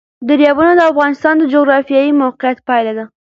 دریابونه د افغانستان د جغرافیایي موقیعت پایله ده.